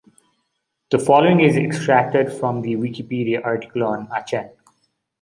The following is extracted from the Wikipedia article on Aachen.